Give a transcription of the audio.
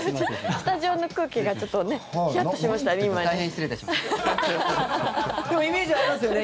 スタジオの空気がちょっとヒヤッとしましたね。